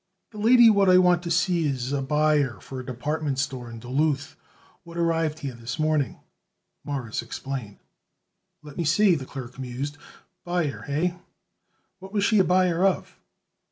"The lady what I want to see it is buyer for a department store in Duluth, what arrived here this morning," Morris explained. "Let me see," the clerk mused; "buyer, hey? What was she a buyer of?"